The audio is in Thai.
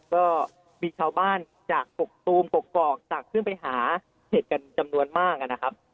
ก็มีชาวบ้านจากกกตูมกกอกตักขึ้นไปหาเห็ดกันจำนวนมากนะครับ